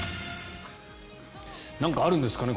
なんかあるんですかね。